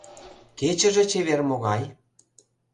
Кечыже чевер могай